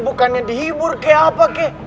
bukannya dihibur kayak apa kek